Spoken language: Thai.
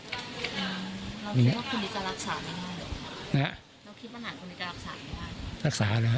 เราคิดว่าคุณนี่จะรักษาได้ไหมครับนะฮะเราคิดว่าน่าคุณนี่จะรักษาได้ไหมครับ